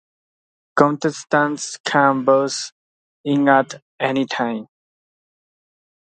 Contestants can buzz in at any time.